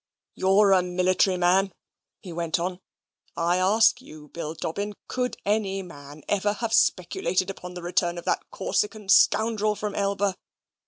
"You're a military man," he went on; "I ask you, Bill Dobbin, could any man ever have speculated upon the return of that Corsican scoundrel from Elba?